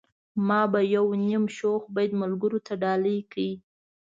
ما به يو نيم شوخ بيت ملګرو ته ډالۍ کړ.